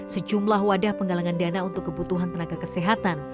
sejumlah wadah penggalangan dana untuk kebutuhan tenaga kesehatan